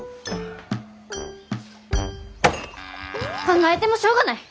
考えてもしょうがない。